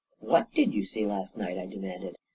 "What did you see last night?" I demanded.